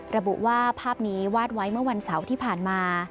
ระบุว่าภาพนี้วาดไว้เมื่อวันเสาร์ที่ผ่านมา